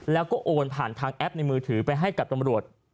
แล้วก็โอนผ่านทางแอปในมือถือไปให้กับตำรวจ